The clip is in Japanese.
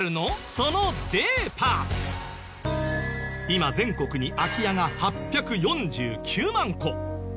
今全国に空き家が８４９万戸。